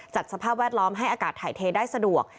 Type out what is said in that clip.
สภาพแวดล้อมให้อากาศถ่ายเทได้สะดวก